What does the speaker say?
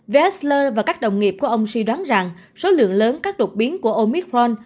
vesler và các đồng nghiệp của ông suy đoán rằng số lượng lớn các đột biến của omicron